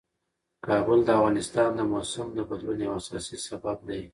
کابل د افغانستان د موسم د بدلون یو اساسي سبب دی.